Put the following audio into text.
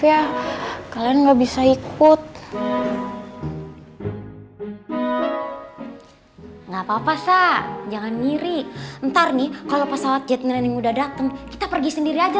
yaudah kalau gitu kita permisi ya